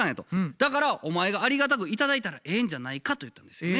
「だからお前がありがたく頂いたらええんじゃないか」と言ったんですよね。